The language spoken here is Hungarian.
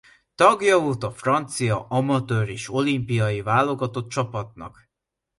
Tagja volt a francia amatőr és olimpiai válogatott csapatnak.